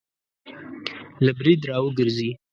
له برید را وګرځي